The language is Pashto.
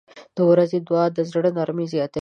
• د ورځې دعا د زړه نرمي زیاتوي.